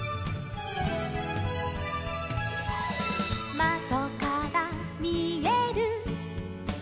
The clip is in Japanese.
「まどからみえる」